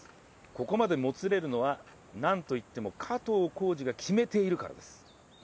ここまでもつれるのはなんといっても加藤浩次が決めているからです。